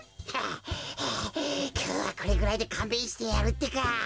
はあはあきょうはこれぐらいでかんべんしてやるってか。